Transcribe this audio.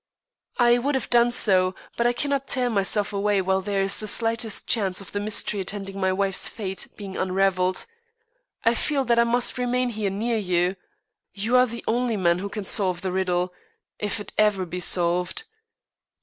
"I would have done so, but I cannot tear myself away while there is the slightest chance of the mystery attending my wife's fate being unravelled. I feel that I must remain here near you. You are the only man who can solve the riddle, if it ever be solved.